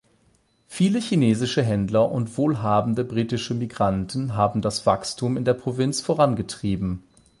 Viele chinesische Händler und wohlhabende britische Migranten haben das Wachstum in der Provinz vorangetrieben.